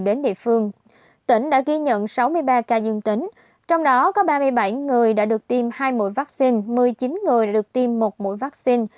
đến địa phương tỉnh đã ghi nhận sáu mươi ba ca dương tính trong đó có ba mươi bảy người đã được tiêm hai mũi vaccine một mươi chín người được tiêm một mũi vaccine